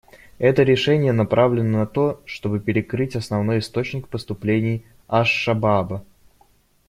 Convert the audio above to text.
Это решение направлено на то, чтобы перекрыть основной источник поступлений «АшШабааба».